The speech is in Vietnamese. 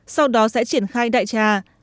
sau đó sẽ triển khai đại trà